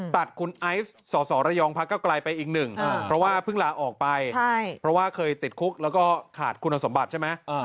ตัดคุณไอซ์สสระยองพักเก้าไกลไปอีกหนึ่งเพราะว่าเพิ่งลาออกไปเพราะว่าเคยติดคุกแล้วก็ขาดคุณสมบัติใช่ไหม